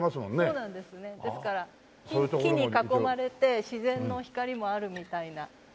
そうなんですねですから木に囲まれて自然の光もあるみたいな。